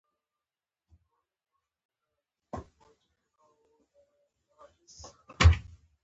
له شره ځان وساته، دا د خیر ساتنه ده.